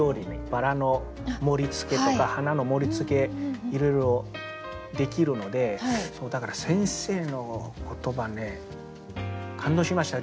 バラの盛りつけとか花の盛りつけいろいろできるのでだから先生の言葉ね感動しました。